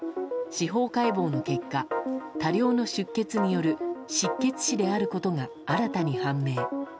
司法解剖の結果多量の出血による失血死であることが新たに判明。